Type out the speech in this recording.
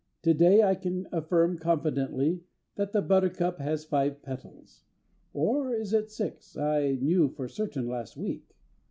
To day I can affirm confidently that the buttercup has five petals. (Or is it six? I knew for certain last week.)